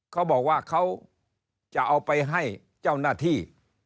เขาบอกว่าเขาจะเอาไปให้เจ้าหน้าที่